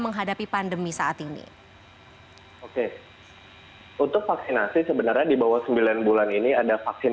menghadapi pandemi saat ini oke untuk vaksinasi sebenarnya di bawah sembilan bulan ini ada vaksin